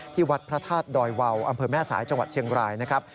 วัดพระธาตุดอยวาวอำเภอแม่สายจังหวัดเชียงรายนะครับ